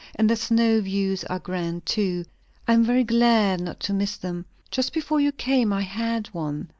And the snow views are grand too; I am very glad not to miss them. Just before you came, I had one.